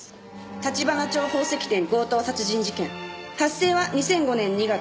「橘町宝石店強盗殺人事件」発生は２００５年２月。